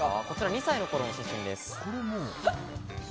２歳の頃の写真です。